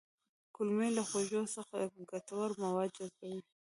کولمې له خوړو څخه ګټور مواد جذبوي